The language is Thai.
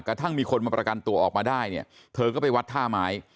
กระทั่งมีคนมาประกันตัวออกมาได้เนี่ยเธอก็ไปวัดท่าไม้